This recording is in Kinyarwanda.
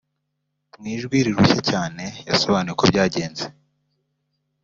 Mu ijwi rirushye cyane yasobanuye uko byagenze